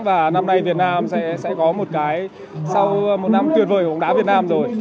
và năm nay việt nam sẽ có một cái sau một năm tuyệt vời của bóng đá việt nam rồi